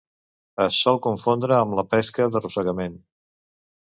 Es sol confondre amb la pesca d'arrossegament.